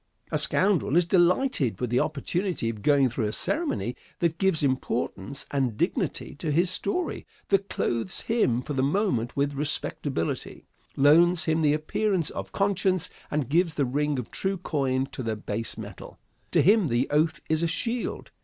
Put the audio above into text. A scoundrel is delighted with the opportunity of going through a ceremony that gives importance and dignity to his story, that clothes him for the moment with respectability, loans him the appearance of conscience, and gives the ring of true coin to the base metal. To him the oath is a shield.